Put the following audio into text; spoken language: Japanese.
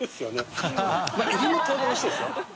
エビも当然おいしいですよ？